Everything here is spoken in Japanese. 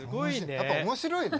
やっぱ面白いね。